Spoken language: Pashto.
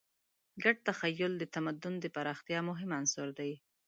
ګډ تخیل د تمدن د پراختیا مهم عنصر دی.